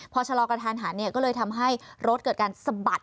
พอชะลอกระทันหันก็เลยทำให้รถเกิดการสะบัด